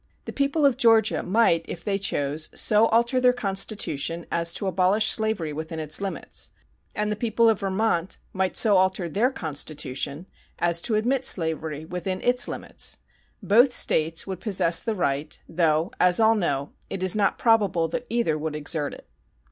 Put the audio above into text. The people of Georgia might if they chose so alter their constitution as to abolish slavery within its limits, and the people of Vermont might so alter their constitution as to admit slavery within its limits. Both States would possess the right, though, as all know, it is not probable that either would exert it.